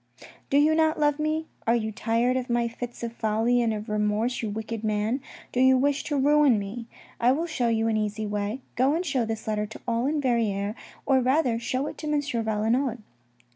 " Do you not love me ? Are you tired of my fits of folly and of remorse, you wicked man ? Do you wish to ruin me ? I will show you an easy way. Go and show this letter to all Verrieres, or rather show it to M. Valenod.